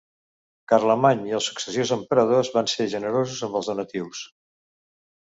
Carlemany i els successius emperadors van ser generosos amb els donatius.